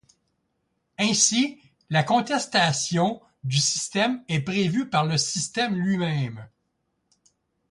Ainsi, la contestation du système est prévue par le système lui-même.